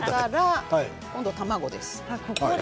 卵です。